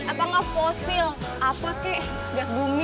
apakah fosil apa kek gas bumi